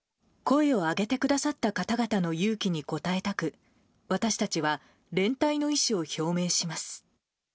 声を上げてくださった方々の勇気に応えたく私たちは連帯の意思を表明します。